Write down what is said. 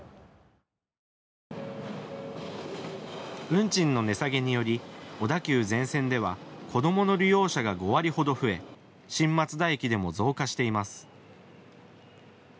運賃の値下げにより小田急全線では子どもの利用者が５割ほど増え新松田駅でも増加しています。